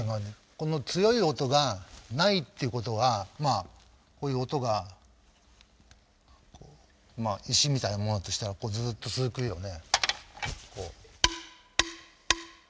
この強い音がないってことはまあこういう音がまあ石みたいなものだとしたらずっと続くよね。